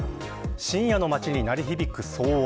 深夜の街に鳴り響く騒音。